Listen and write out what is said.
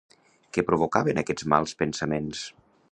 Què provocaven aquests mals pensaments?